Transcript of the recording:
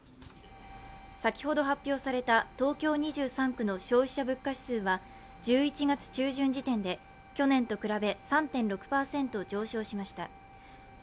先ほど発表された東京２３区の消費者物価指数は１１月中旬時点で、去年と比べ３．６％上昇しました。